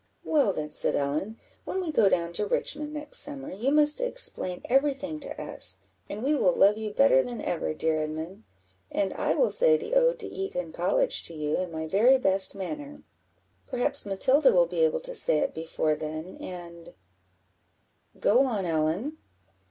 "Well then," said Ellen, "when we go down to Richmond next summer, you must explain every thing to us, and we will love you better than ever, dear Edmund; and I will say the Ode to Eton College to you in my very best manner; perhaps Matilda will be able to say it before then, and " "Go on, Ellen."